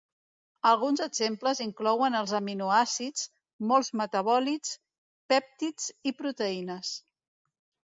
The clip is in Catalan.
Alguns exemples inclouen els aminoàcids, molts metabòlits, pèptids i proteïnes.